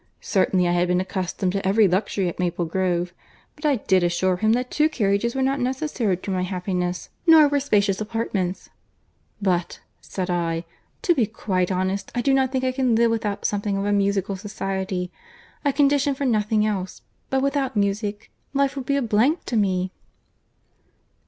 Certainly I had been accustomed to every luxury at Maple Grove; but I did assure him that two carriages were not necessary to my happiness, nor were spacious apartments. 'But,' said I, 'to be quite honest, I do not think I can live without something of a musical society. I condition for nothing else; but without music, life would be a blank to me.